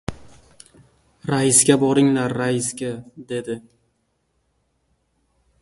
— Raisga boringlar, raisga, — dedi.